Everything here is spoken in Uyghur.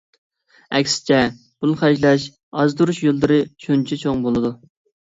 ئەكسىچە، پۇل خەجلەش ئازدۇرۇش يوللىرى شۇنچە چوڭ بولىدۇ.